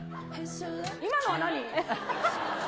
今のは何？